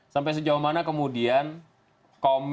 sebenarnya sekarang itu tidak begitu